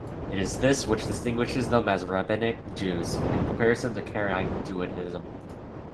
It is this which distinguishes them as Rabbinic Jews, in comparison to Karaite Judaism.